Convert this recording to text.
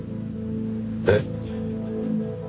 えっ？